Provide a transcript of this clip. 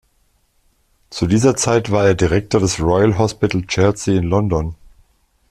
Zu dieser Zeit war er Direktor des Royal Hospital Chelsea in London.